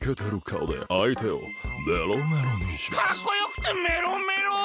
かっこよくてメロメロ！